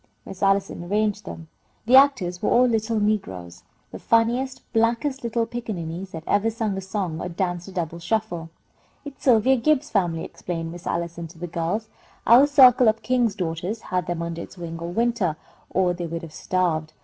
Miss Allison arranged them. The actors were all little negroes, the funniest, blackest little pickaninnies that ever sung a song or danced a double shuffle. "It's Sylvia Gibbs's family," explained Miss Allison, to the girls. "Our circle of King's Daughters had them under its wing all winter, or they would have starved.